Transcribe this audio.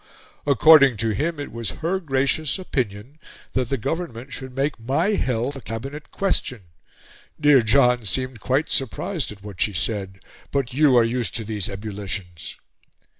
According to him, it was her gracious opinion that the Government should make my health a Cabinet question. Dear John seemed quite surprised at what she said; but you are used to these ebullitions."